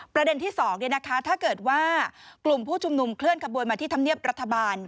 ประเด็นที่๒ถ้าเกิดว่ากลุ่มผู้ชุมนุมเคลื่อนขบวนมาที่ธรรมเนียบรัฐบาล